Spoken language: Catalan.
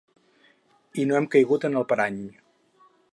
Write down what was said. I no hem caigut en el parany.